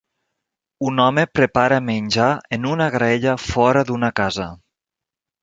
Un home prepara menjar en una graella fora d'una casa.